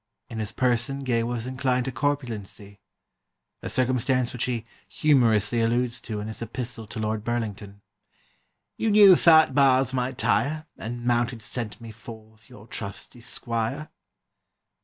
In his person Gay was inclined to corpulency; a circumstance which he humorously alludes to in his Epistle to Lord Burlington: 'You knew fat bards might tire, And mounted sent me forth your trusty squire.